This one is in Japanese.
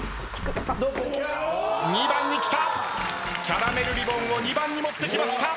キャラメルリボンを２番に持ってきました。